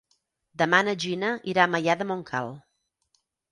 Demà na Gina irà a Maià de Montcal.